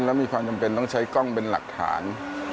แล้วมีความจำเป็นต้องใช้กล้องเป็นหลักฐาน